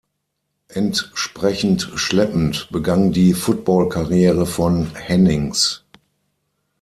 Entsprechend schleppend begann die Footballkarriere von Hennings.